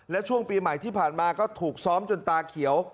และช่วงปีใหม่ที่ผ่านมาก็ถูกซ้อมจนตาเขียว